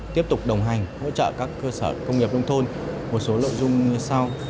tiếp tục đồng hành hỗ trợ các cơ sở công nghiệp nông thôn một số lợi dụng như sau